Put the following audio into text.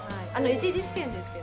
１次試験ですけど。